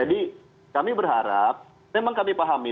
jadi kami berharap memang kami pahami